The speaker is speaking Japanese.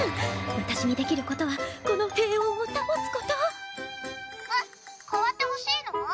私にできることはこの平穏を保つことえっ代わってほしいの？